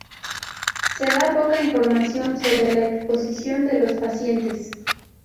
Se da poca información sobre la exposición de los pacientes.